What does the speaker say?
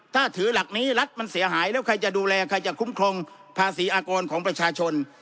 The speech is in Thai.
ถ้าถือหลักนี้รัฐมันเสียหายแล้วใครจะดูแลใครจะคุ้มครองภาษีอากรของประชาชน